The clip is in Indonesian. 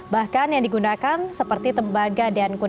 bahkan yang digunakan seperti tembaga dan kuning